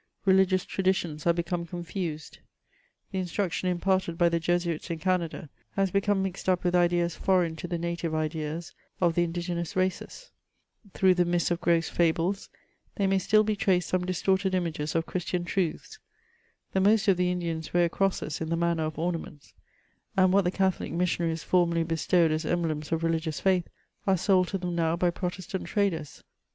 Be* ligious traditions are become confused ; the instruction imparted by the Jesuits in Canada has become mixed up with ideas foreign to the native ideas of the indigenous races ; through the mists of gross fables, there may still be traced some distorted images of Christian truths ; the most of the Indians wear crosses in the manner of ornaments, and what the Catholic missionaries formerly bestowed as emblems of religious faith, are sold to them now by Protestant traders.